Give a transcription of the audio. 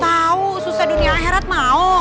tau susah dunia herat mau